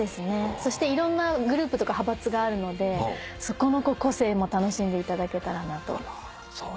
そしていろんなグループとか派閥があるのでそこの個性も楽しんでいただけたらなと。